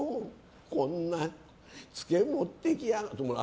こんなツケ持ってきやがってって。